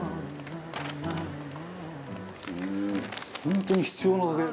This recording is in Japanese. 「本当に必要なだけ」